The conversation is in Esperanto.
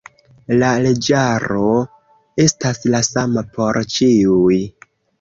La leĝaro estas la sama por ĉiuj.